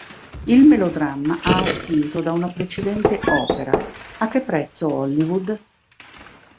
Il melodramma ha attinto da una precedente opera, "A che prezzo Hollywood?